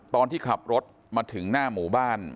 ตอนที่ขับรถมาถึงหน้าหมู่บ้าน